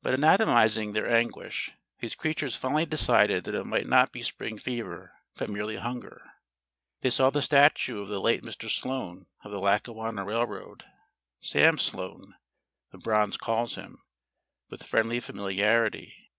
But anatomizing their anguish, these creatures finally decided that it might not be spring fever, but merely hunger. They saw the statue of the late Mr. Sloan of the Lackawanna Railroad Sam Sloan, the bronze calls him, with friendly familiarity.